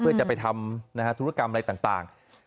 เพื่อจะไปทำธุรกรรมอะไรต่าง